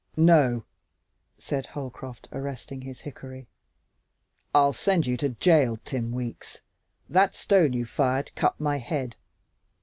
"No," said Holcroft, arresting his hickory. "I'll send you to jail, Tim Weeks. That stone you fired cut my head.